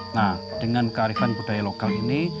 nah dengan kearifan budaya lokal ini